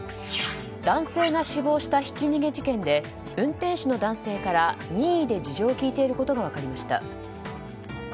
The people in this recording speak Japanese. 男性が死亡したひき逃げ事件で運転手の男性から任意で事情を聴いていることが分かりました。